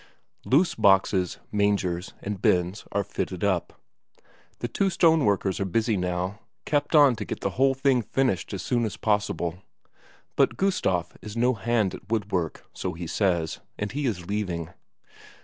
Loose boxes, mangers, and bins are fitted up. The two stoneworkers are still busy, kept on to get the whole thing finished as soon as possible, but Gustaf is no hand at woodwork, so he says, and he is leaving.